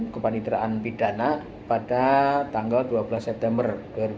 kepanitraan pidana pada tanggal dua belas september dua ribu dua puluh